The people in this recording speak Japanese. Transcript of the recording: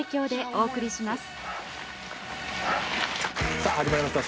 さぁ始まりました